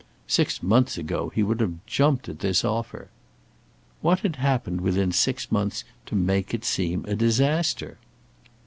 Six months ago he would have jumped at this offer. What had happened within six months to make it seem a disaster?